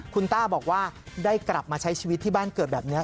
คุณต้าบอกว่าได้กลับมาใช้ชีวิตที่บ้านเกิดแบบนี้